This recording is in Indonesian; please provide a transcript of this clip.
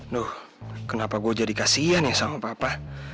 duh kenapa gue jadi kasihan ya sama papa